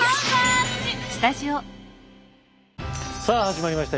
さあ始まりました。